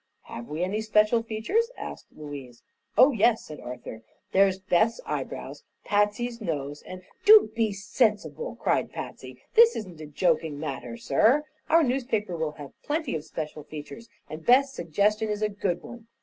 "Have we any special features?" asked Louise. "Oh, yes," said Arthur; "there's Beth's eyebrows, Patsy's nose, and " "Do be sensible!" cried Patsy. "This isn't a joking matter, sir. Our newspaper will have plenty of special features, and Beth's suggestion is a good one.